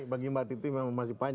bagi mbak titi memang masih panjang